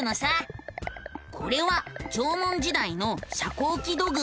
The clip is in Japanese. これは縄文時代の遮光器土偶。